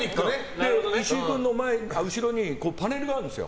石井君の後ろにパネルがあるんです。